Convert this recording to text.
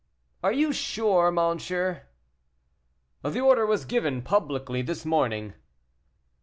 "Are you sure, monsieur?" "The order was given publicly this morning."